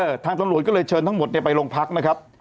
ทางตำรวจก็เลยเชิญทั้งหมดเนี่ยไปโรงพักนะครับ